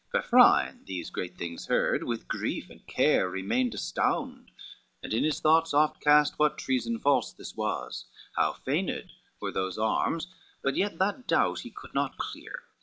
Vafrine, these great things heard, with grief and care Remained astound, and in his thoughts oft cast What treason false this was, how feigned were Those arms, but yet that doubt he could not clear.